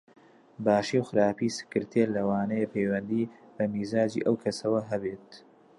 باشی و خراپی سکرتێر لەوانەیە پەیوەندی بە میزاجی ئەو کەسەوە هەبێت